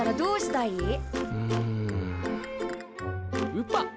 ウパ！